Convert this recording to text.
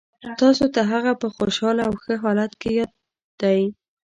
تاسو ته هغه په خوشحاله او ښه حالت کې یاد دی